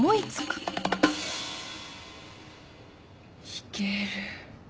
いける。